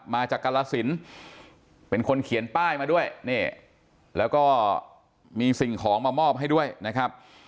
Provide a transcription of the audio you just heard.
มาจากกรสินเป็นคนเขียนป้ายมาด้วยนี่แล้วก็มีสิ่งของมามอบให้ด้วยนะครับ